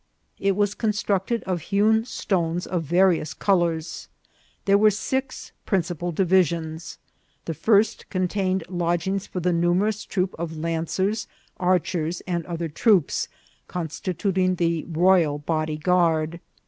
It was constructed of hewn stones of various colours. There were six principal divisions. The first contained lodg ings for a numerous troop of lancers, archers, and other troops, constituting the royal body guard.